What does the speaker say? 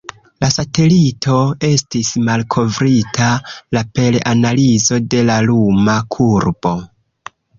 La satelito estis malkovrita la per analizo de la luma kurbo.